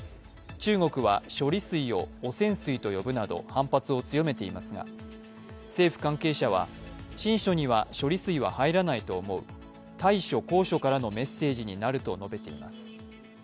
中国は処理水を汚染水と呼ぶなど反発を強めていますが政府関係者は親書には処理水は入らないと思う大所高所からのメッセージになると述べています。